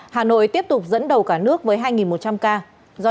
hà nội tiếp tục dẫn đầu cả nước với hai một trăm linh ca